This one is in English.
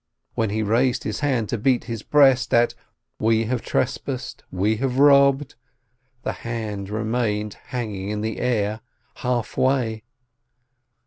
When he raised his hands to beat his breast at "We have trespassed, we have robbed," the hand remained hanging in the air, half way.